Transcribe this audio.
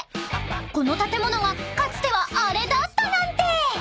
［この建物がかつてはあれだったなんて！］